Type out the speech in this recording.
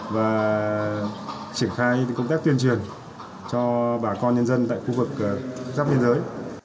và triển khai công tác tuyên truyền cho bà con nhân dân tại khu vực giáp biên giới